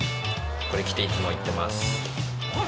これ着ていつも行ってます。